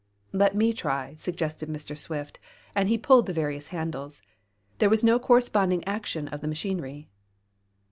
"Let me try," suggested Mr. Swift, and he pulled the various handles. There was no corresponding action of the machinery.